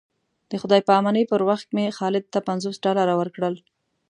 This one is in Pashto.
د خدای په امانۍ پر وخت مې خالد ته پنځوس ډالره ورکړل.